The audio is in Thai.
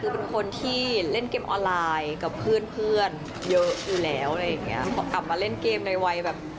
พอกลับมาเล่นเกมในวัยแบบ